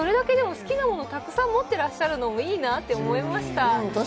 好きなものをたくさん持ってらっしゃるのもいいなと思いました。